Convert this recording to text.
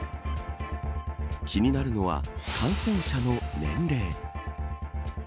気になるのは感染者の年齢。